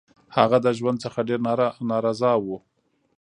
هغه د ژوند څخه ډير نا رضا وو